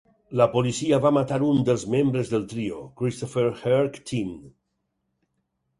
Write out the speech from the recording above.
La policia va matar un dels membres del trio, Christopher "Herc" Thien.